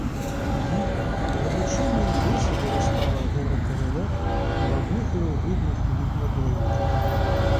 Їй перед очима й досі виростали гори тарілок, брудних і огидних від недоїдків.